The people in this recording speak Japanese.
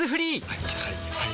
はいはいはいはい。